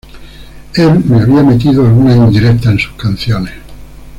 Él me había metido algunas indirectas en sus canciones.